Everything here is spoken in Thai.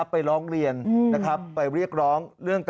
ไปร้องเรียน